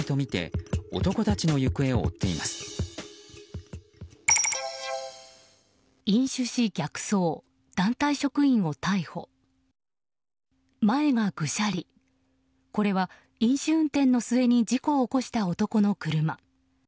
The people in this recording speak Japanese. これは、飲酒運転の末に事故を起こした男の車。